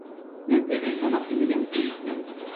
مەن تېخى تاماق يېمىگەنتىم.